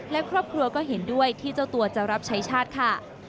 และครอบครัวก็เห็นด้วยที่เจ้าตัวจะรับใช้ชาติค่ะ